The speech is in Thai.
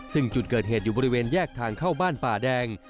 ซึ่งจุดเกิดเหตุอยู่บริเวณแยกทางเข้าบ้านป่าแดง